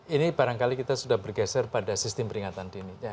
ini barangkali kita sudah bergeser pada sistem peringatan dini